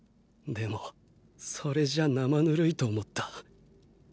でもそれじゃ生ぬるいと思った。